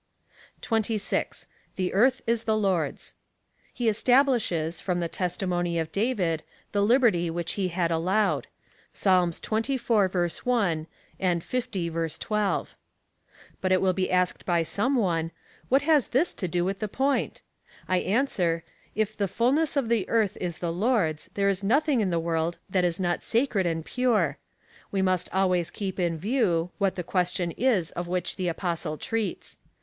26. The earth is the Lord's. He establishes, from the testimony of David, the liberty which he had allowed. (Psalms xxiv. 1, and 1. 12.) But it Avill be asked hy some one, " What has this to do with the point ?" I answer. If the fulness of the earth^ is the Lord's, there is nothing in the world that is not sacred and pure. We must always keep in view, what the question is of which the Apostle treats.